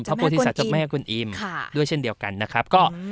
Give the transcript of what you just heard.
เจ้าแม่คุณอิ่มค่ะด้วยเช่นเดียวกันนะครับก็อืม